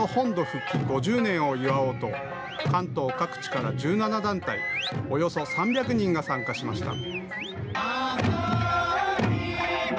復帰５０年を祝おうと関東各地から１７団体およそ３００人が参加しました。